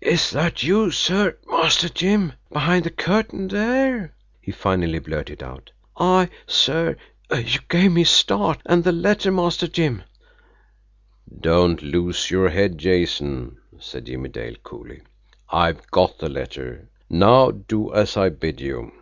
"Is is that you, sir Master Jim behind the curtain there?" he finally blurted out. "I sir you gave me a start and the letter, Master Jim " "Don't lose your head, Jason," said Jimmie Dale coolly. "I've got the letter. Now do as I bid you."